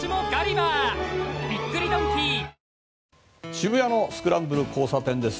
渋谷のスクランブル交差点です。